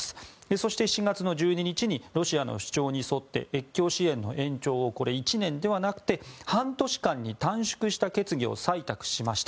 そして７月の１２日にロシアの主張に沿って越境支援の延長を１年ではなくて半年間に短縮した決議を採択しました。